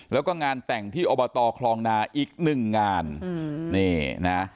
แล้วก็งานแต่งที่อบตครองนาอีก๑งาน